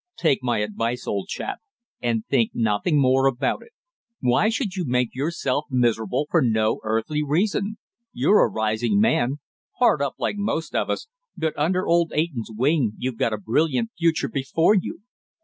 Take my advice, old chap, and think nothing more about it. Why should you make yourself miserable for no earthly reason? You're a rising man hard up like most of us but under old Eyton's wing you've got a brilliant future before you.